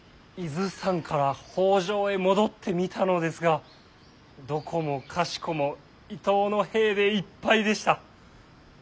伊豆山から北条へ戻ってみたのですがどこもかしこも伊東の兵でいっぱいでした。